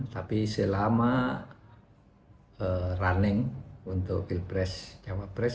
tapi selama running untuk wilpres cawa pres